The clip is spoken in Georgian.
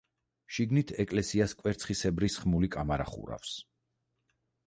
შიგნით ეკლესიას კვერცხისებრი სხმული კამარა ხურავს.